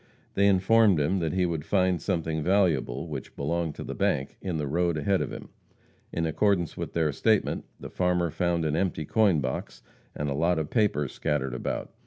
They informed him that he would find something valuable, which belonged to the bank, in the road ahead of him. In accordance with their statement, the farmer found the empty coin box and a lot of papers scattered about.